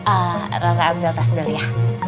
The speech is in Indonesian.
eh rara ambil tas dulu ya